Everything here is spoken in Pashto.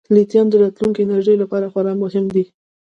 لیتیم د راتلونکي انرژۍ لپاره خورا مهم دی.